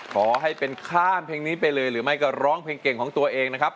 ขอให้เป็นข้ามเพลงนี้ไปเลยหรือไม่ก็ร้องเพลงเก่งของตัวเองนะครับ